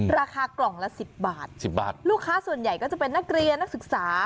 ราคากล่องละสิบบาทสิบบาทลูกค้าส่วนใหญ่ก็จะเป็นนักเรียนนักศึกษา